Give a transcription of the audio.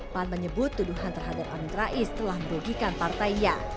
pan menyebut tuduhan terhadap amin rais telah merugikan partainya